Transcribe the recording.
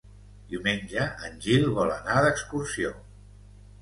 Diumenge en Gil vol anar d'excursió.